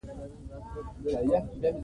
افغانستان له د ریګ دښتې ډک دی.